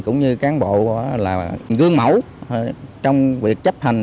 cũng như cán bộ là gương mẫu trong việc chấp hành